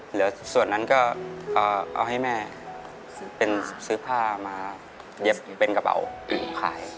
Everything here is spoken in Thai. เหลือส่วนนั้นก็เอาให้แม่เป็นซื้อผ้ามาเย็บเป็นกระเป๋าขาย